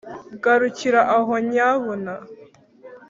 Garukira aho nyabuna!